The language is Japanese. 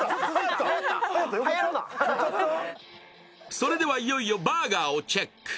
それでは、いよいよバーガーをチェック。